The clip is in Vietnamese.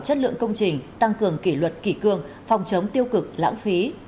chất lượng công trình tăng cường kỷ luật kỷ cương phòng chống tiêu cực lãng phí